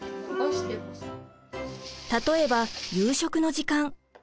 例えば夕食の時間。